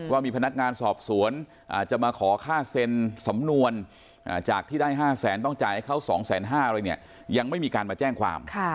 ว่ามีพนักงานสอบสวนจะมาขอค่าเซ็นสำนวนจากที่ได้๕แสนต้องจ่ายให้เขา๒๕๐๐อะไรเนี่ยยังไม่มีการมาแจ้งความ